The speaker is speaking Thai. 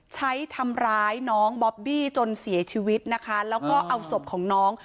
ใช้ทำร้ายน้องบอบบี้จนเสียชีวิตนะคะแล้วก็เอาศพของน้อง